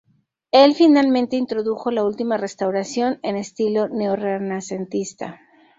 Él finalmente introdujo la última restauración, en estilo neorrenacentista.